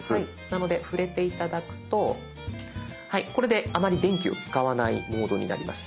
なので触れて頂くとはいこれであまり電気を使わないモードになりました。